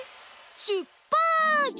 しゅっぱつ！